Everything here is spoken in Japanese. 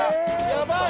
やばい！